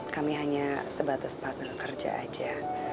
kami hanya sebatas partner kerja aja